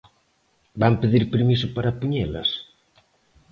Van pedir permiso para poñelas?